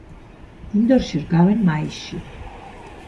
მინდორში რგავენ მაისში.